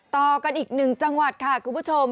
ต่อกันอีกหนึ่งจังหวัดค่ะคุณผู้ชม